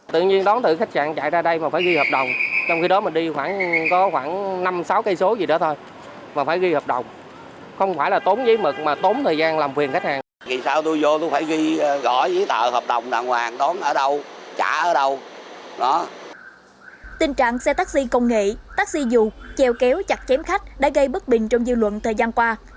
tình trạng xe taxi công nghệ taxi dù chèo kéo chặt chém khách đã gây bất bình trong dư luận thời gian qua